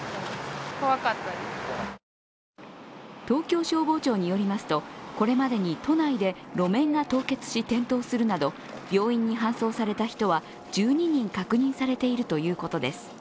東京消防庁によりますと、これまでに都内で路面が凍結し転倒するなど病院に搬送された人は１２人確認されているということです。